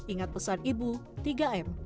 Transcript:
ingat pesan ibu tiga m